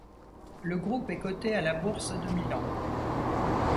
Le groupe est coté à la Bourse de Milan.